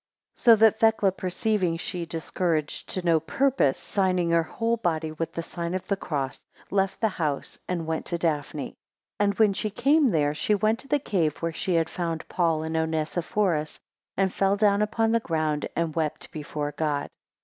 10 So that Thecla perceiving, she discoursed to no purpose, signing her whole body with the sign (of the cross), left the house and went to Daphne; and when she came there, she went to the cave, where she had found Paul with Onesiphorus, and fell down upon the ground; and wept before God.